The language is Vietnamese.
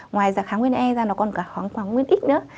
ngoài ra kháng nguyên e nó còn có kháng nguyên x nữa